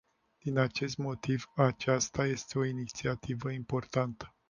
Din acest motiv, aceasta este o inițiativă importantă.